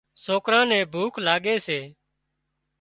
سوڪران نين ڀوک لاڳي سي